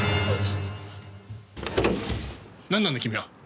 なんなんだ君は！